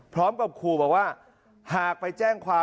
พร้อมกับขู่บอกว่าหากไปแจ้งความ